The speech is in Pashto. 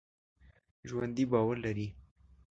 ژوندي باور لري